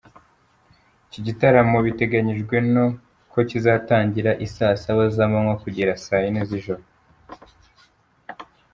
Iki gitaramo biteganijwe ko kizatangira isaa saba z’amanywa kugera saa yine z’ijoro.